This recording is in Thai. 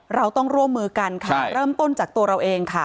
เราต้องร่วมมือกันค่ะเริ่มต้นจากตัวเราเองค่ะ